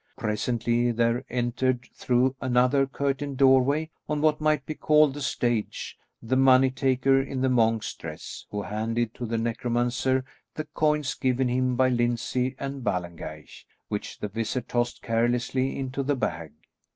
Presently there entered through another curtained doorway, on what might be called the stage, the money taker in the monk's dress, who handed to the necromancer the coins given him by Lyndsay and Ballengeich, which the wizard tossed carelessly into the bag.